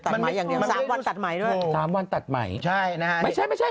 ตัดไหมอย่างนี้อย่างนี้๓วันตัดไหมด้วยใช่นะฮะไม่ใช่ไหม